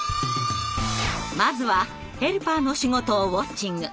まずはヘルパーの仕事をウォッチング。